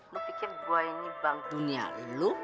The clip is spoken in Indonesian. lu pikir gue ini bank dunia lu